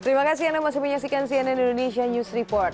terima kasih anda masih menyaksikan cnn indonesia news report